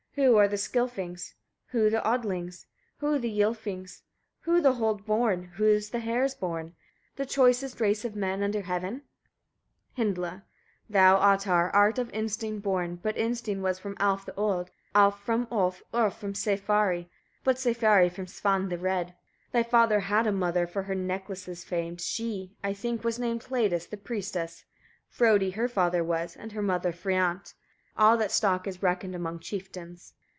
Who are the Skilfings? Who the Odlings? Who the Ylfings? Who the hold born? Who the hers born? The choicest race of men under heaven? Hyndla. 13. Thou, Ottar! art of Innstein born, but Innstein was from Alf the Old, Alf was from Ulf, Ulf from Sæfari, but Sæfari from Svan the Red. 14. Thy father had a mother, for her necklaces famed, she, I think, was named Hledis the priestess; Frodi her father was, and her mother Friant: all that stock is reckoned among chieftains.